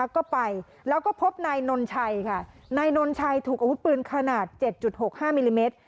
ก็ไปแล้วก็พบนายนนชัยค่ะนายนนชัยถูกอาวุธปืนขนาด๗๖๕มิลลิเมตร